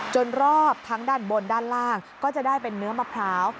รอบทั้งด้านบนด้านล่างก็จะได้เป็นเนื้อมะพร้าว